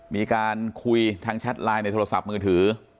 มีการคุยทางแชทไลน์ในโทรศัพท์มือถือ